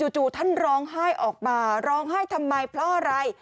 จู่ท่านร้องไห้ออกมาร้องไห้ทำไมเพราะอะไร